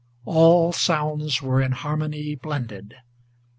All sounds were in harmony blended.